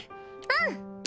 うん